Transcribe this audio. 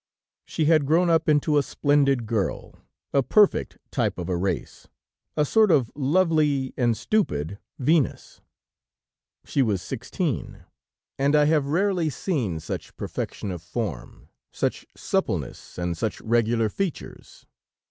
"She had grown up into a splendid girl; a perfect type of a race, a sort of lovely and stupid Venus. She was sixteen, and I have rarely seen such perfection of form, such suppleness and such regular features.